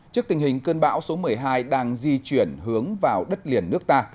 trước tình hình cơn bão số một mươi hai đang di chuyển hướng vào đất liền nước ta